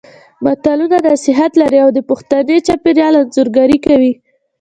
متلونه نصيحت لري او د پښتني چاپېریال انځورګري کوي